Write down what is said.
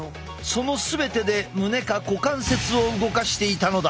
その全てで胸か股関節を動かしていたのだ。